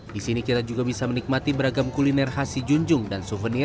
di sini kita juga bisa menikmati beragam kuliner khas sijunjung dan suvenir